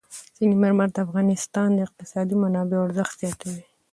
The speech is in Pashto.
سنگ مرمر د افغانستان د اقتصادي منابعو ارزښت زیاتوي.